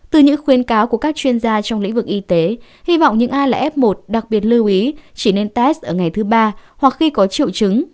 từ những khuyến cáo của các chuyên gia trong lĩnh vực y tế hy vọng những ai là f một đặc biệt lưu ý chỉ nên test ở ngày thứ ba hoặc khi có triệu chứng